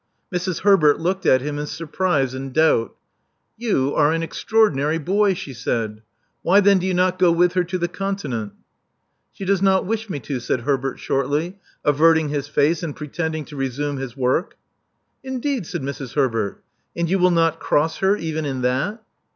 Mrs. Herbert looked at him in surprise and doubt. You are an extraordinary boy," she said. Why then do you not go with her to the Continent?" She does not wish me to," said Herbert shortly, averting his face, and pretending to resume his work. *' Indeed!" said Mrs. Herbert. And you will not cross her, even in that?"